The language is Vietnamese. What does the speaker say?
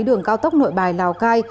đường cao tốc nội bài lào cai